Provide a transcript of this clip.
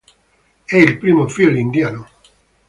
È il primo film indiano.